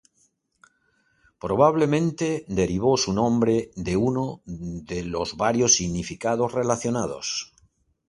Probablemente derivó su nombre de uno de los varios significados relacionados.